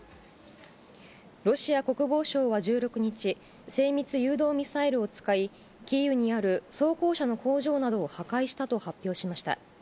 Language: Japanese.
ロシア国防省は１６日、精密誘導ミサイルを使い、キーウにある装甲車の工場などを破壊したと発表しました。